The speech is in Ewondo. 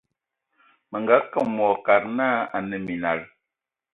Mə nga kom wa kad nə a nə minal.